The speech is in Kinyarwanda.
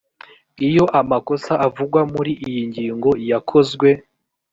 iyo amakosa avugwa muri iyi ngingo yakozwe